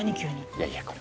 いやいやこれ。